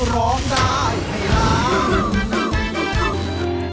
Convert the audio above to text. ร้องได้